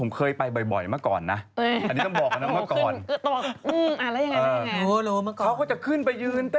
ไม่ได้เปิดเป็นร้านอาหาร